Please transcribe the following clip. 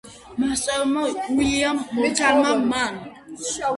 მასწავლებელმა უილიამ მორგანმა. მან